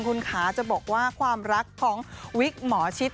คุณขาจะบอกว่าความรักของวิกหมอชิด